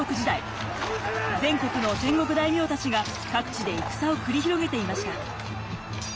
全国の戦国大名たちが各地で戦を繰り広げていました。